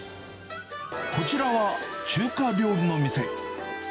こちらは中華料理の店。